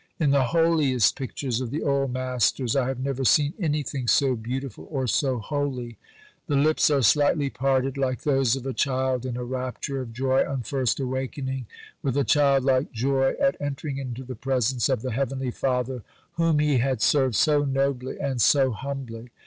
In the holiest pictures of the Old Masters, I have never seen anything so beautiful or so holy. The lips are slightly parted (like those of a child in a rapture of joy on first awakening), with a child like joy at entering into the presence of the Heavenly Father whom he had served so nobly and so humbly.